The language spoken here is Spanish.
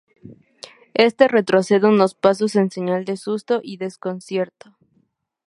Este retrocede unos pasos en señal de susto y desconcierto.